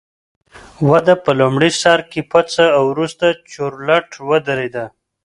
وده په لومړي سر کې پڅه او وروسته چورلټ ودرېده